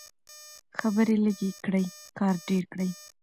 خبرې لږې کړئ کار ډېر کړئ.